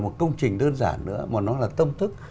một công trình đơn giản nữa mà nó là tâm thức